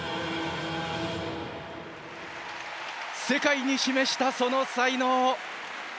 世界に示したその才能。